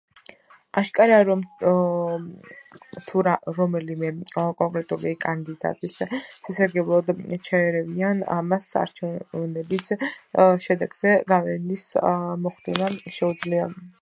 აშკარაა, რომ თუ რომელიმე კონკრეტული კანდიდატის სასარგებლოდ ჩაერევიან, ამას არჩევნების შედეგზე გავლენის მოხდენა შეუძლია.